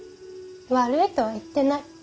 悪いとは言ってない。